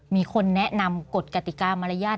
มีคนแนะนำกฎกติกามารยาท